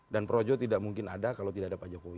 dan projo tidak mungkin ada kalau tidak ada pak jokowi